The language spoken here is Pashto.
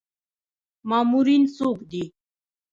مامورین څوک دي؟